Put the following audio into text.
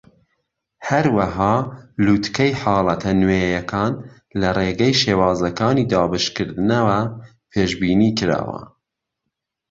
هەروەها، لووتکەی حاڵەتە نوێیەکان لە ڕێگەی شێوازەکانی دابەشکردنەوە پێشبینیکراوە.